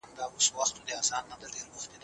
احمدشاه بابا په ډېر دقت سره جګړه پلان کړه.